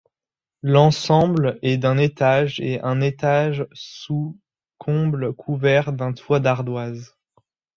L'ensemble est d'un étage et un étage sous comble couvert d'un toit d'ardoises.